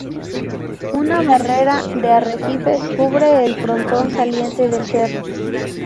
Una barrera de arrecifes cubre el frontón saliente del cerro.